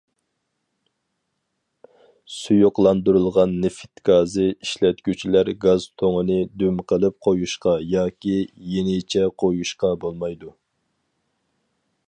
سۇيۇقلاندۇرۇلغان نېفىت گازى ئىشلەتكۈچىلەر گاز تۇڭىنى دۈم قىلىپ قويۇشقا ياكى يېنىچە قويۇشقا بولمايدۇ.